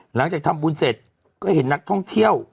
หลังจากทำบุญเสร็จก็เห็นนักท่องเที่ยว